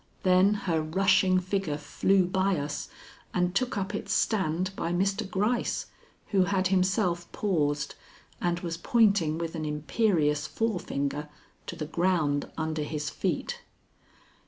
Then her rushing figure flew by us and took up its stand by Mr. Gryce, who had himself paused and was pointing with an imperious forefinger to the ground under his feet.